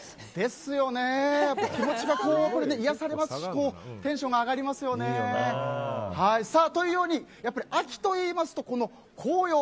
気持ちが癒やされますしテンションが上がりますよね。というように秋といいますと紅葉。